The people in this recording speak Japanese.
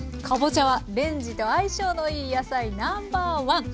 かぼちゃはレンジと相性のいい野菜ナンバーワン。